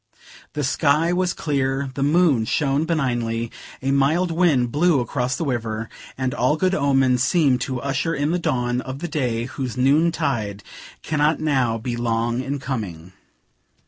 The sky was clear, the moon shone benignly, a mild wind blew across the river, and all good omens seemed to usher in the dawn of the day whose noontide cannot now be long in coming.